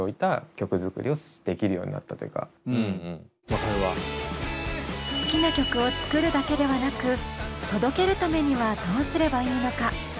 そっから割と好きな曲を作るだけではなく届けるためにはどうすればいいのか？